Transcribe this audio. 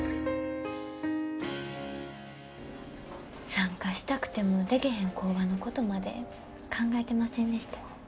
参加したくてもでけへん工場のことまで考えてませんでした。